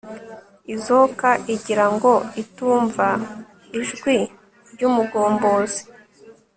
izoka igira ngo itumva ijwi ry'umugombozi